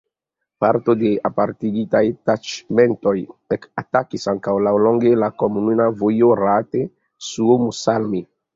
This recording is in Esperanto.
Parto de apartigitaj taĉmentoj ekatakis ankaŭ laŭlonge laŭ komunika vojo Raate–Suomussalmi.